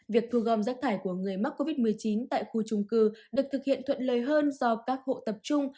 việc thu gom rác thải của người mắc covid một mươi chín tại khu trung cư được thực hiện thuận lợi hơn do các hộ tập trung